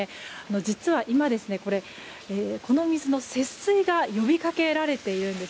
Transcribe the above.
実は今、この水の節水が呼びかけられているんです。